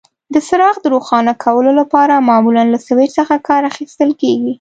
د څراغ د روښانه کولو لپاره معمولا له سویچ څخه کار اخیستل کېږي.